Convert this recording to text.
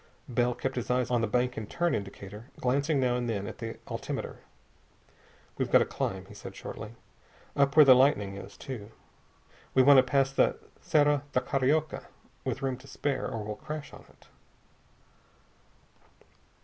Bell kept his eyes on the bank and turn indicator, glancing now and then at the altimeter. "We've got to climb," he said shortly, "up where the lightning is, too. We want to pass the Serra da Carioca with room to spare, or we'll crash on it."